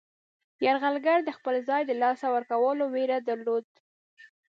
یرغلګر د خپل ځای د له لاسه ورکولو ویره درلوده.